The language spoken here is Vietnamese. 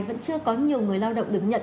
vẫn chưa có nhiều người lao động được nhận